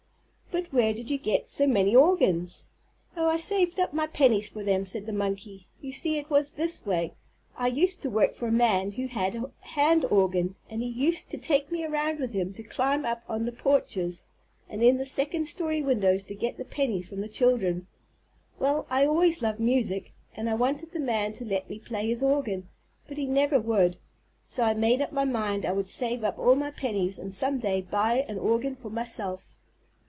"But where did you get so many organs?" "Oh, I saved up my pennies for them," said the monkey. "You see, it was this way. I used to work for a man who had a hand organ, and he used to take me around with him to climb up on the porches, and in the second story windows to get the pennies from the children. Well, I always loved music, and I wanted the man to let me play his organ, but he never would. So I made up my mind I would save up all my pennies and some day buy an organ for myself.